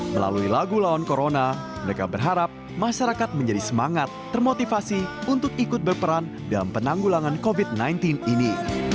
melalui lagu lawan corona mereka berharap masyarakat menjadi semangat termotivasi untuk ikut berperan dalam penanggulangan covid sembilan belas ini